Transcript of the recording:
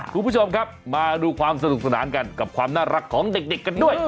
คุณผู้ชมครับมาดูความสนุกสนานกันกับความน่ารักของเด็กกันด้วย